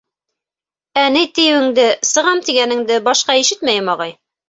Ә ни тиеүеңде... сығам тигәнеңде башҡа ишетмәйем, ағай...